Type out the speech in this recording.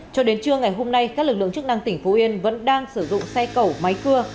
cho đến trưa ngày hôm nay các lực lượng chức năng tỉnh phú yên vẫn đang sử dụng xe cẩu máy cưa